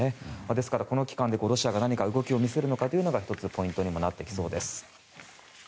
ですから、この期間でロシアが何か動きを見せるのかが、１つポイントになってきそうです。